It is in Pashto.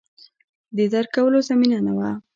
د درک کولو زمینه نه وه